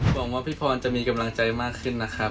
หวังว่าพี่พรจะมีกำลังใจมากขึ้นนะครับ